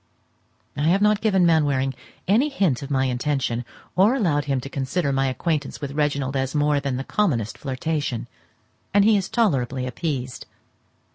I have not given Mainwaring any hint of my intention, or allowed him to consider my acquaintance with Reginald as more than the commonest flirtation, and he is tolerably appeased.